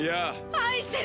愛してる。